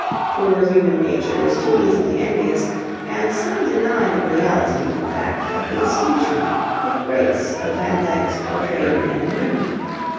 Poor human nature is too easily envious, and some deny the reality, in fact, of the distinction, the grace, of Van Dyck's portrayed men and women.